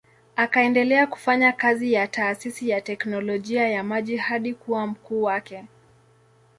Akaendelea kufanya kazi ya taasisi ya teknolojia ya maji hadi kuwa mkuu wake.